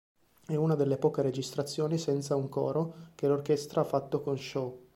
È una delle poche registrazioni senza un coro che l'orchestra ha fatto con Shaw.